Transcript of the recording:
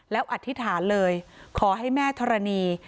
แล้วอธิษฐานเลยขอให้แม่ธรณี